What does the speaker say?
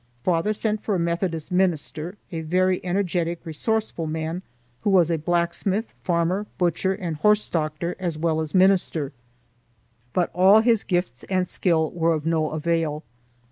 Father sent for a Methodist minister, a very energetic, resourceful man, who was a blacksmith, farmer, butcher, and horse doctor as well as minister; but all his gifts and skill were of no avail.